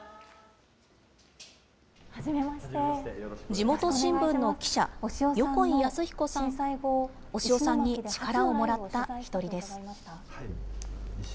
地元新聞の記者、横井康彦さんも、押尾さんに力をもらった１人です。